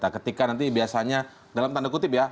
ketika nanti biasanya dalam tanda kutip ya